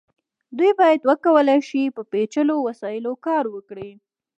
دوی باید وکولی شي په پیچلو وسایلو کار وکړي.